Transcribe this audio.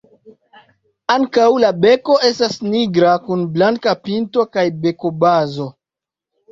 Ankaŭ la beko estas nigra kun blanka pinto kaj bekobazo.